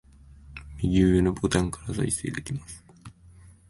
右上のボタンから再生できます